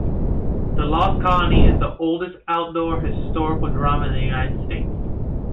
"The Lost Colony" is the oldest outdoor historical drama in the United States.